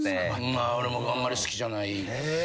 まあ俺もあんまり好きじゃない。